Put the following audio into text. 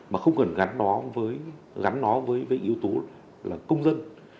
mà không cần gắn nó với yếu tố là công dân